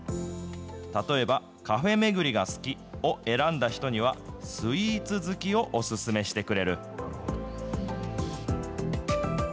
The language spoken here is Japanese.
例えばカフェ巡りが好きを選んだ人には、スイーツ好きをお勧めしてくれる。